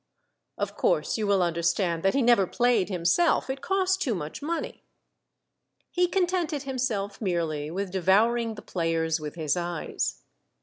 Of course you will understand that he never played himself; it cost too much money. He contented himself merely with devour ing the players with his eyes.